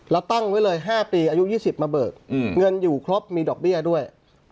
แล้วตั้งไว้เลย๕ปีอายุ๒๐มาเบิกเงินอยู่ครบมีดอกเบี้ยด้วย